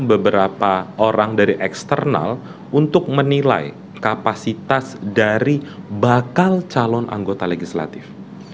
beberapa orang dari eksternal untuk menilai kapasitas dari bakal calon anggota legislatif